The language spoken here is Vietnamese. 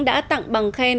đã tặng bằng khen